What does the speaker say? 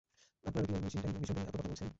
আপনারা অই মিশনটা নিয়ে কী এত কথা বলছেন?